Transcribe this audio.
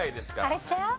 あれちゃう？